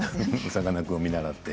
さかなクンを見習って。